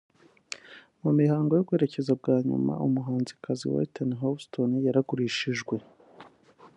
mu mihango yo guherekeza bwa nyuma umuhanzikazi Whitney Houston yaragurishijwe